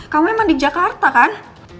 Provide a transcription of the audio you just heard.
kamu emang di jakarta kan